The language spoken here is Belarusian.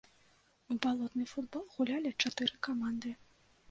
У балотны футбол гулялі чатыры каманды.